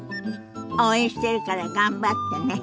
応援してるから頑張ってね。